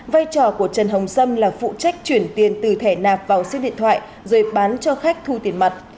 vai trò của trần hồng sâm là phụ trách chuyển tiền từ thẻ nạp vào sim điện thoại rồi bán cho khách thu tiền mặt